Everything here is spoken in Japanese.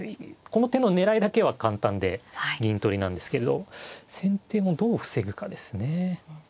この手の狙いだけは簡単で銀取りなんですけれど先手もどう防ぐかですね。